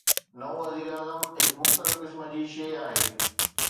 نئون وزيراعظم هڪ مختلف قسم جي شيء آهي.